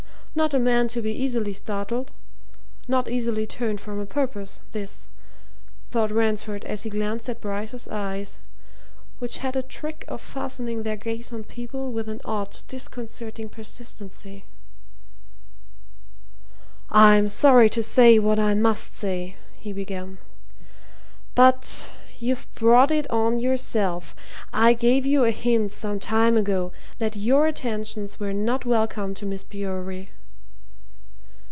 Not a man to be easily startled not easily turned from a purpose, this, thought Ransford as he glanced at Bryce's eyes, which had a trick of fastening their gaze on people with an odd, disconcerting persistency. "I'm sorry to say what I must say," he began. "But you've brought it on yourself. I gave you a hint some time ago that your attentions were not welcome to Miss Bewery."